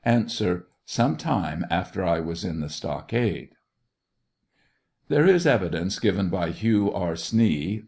Some time after I was in the stockade. There is evidence given by Hugh R. Snee (p.